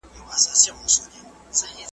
د پاڼو په اوبو کې پاتې کېدل اغېز لري.